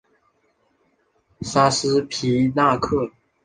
沙斯皮纳克。